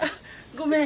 ごめん。